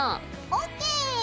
ＯＫ！